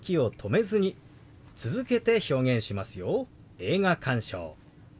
「映画鑑賞」。